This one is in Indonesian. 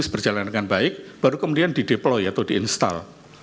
berjalan dengan baik baru kemudian di deploy atau di install